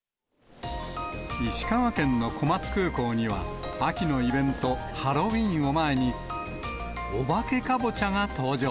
石川県の小松空港には、秋のイベント、ハロウィーンを前に、お化けカボチャが登場。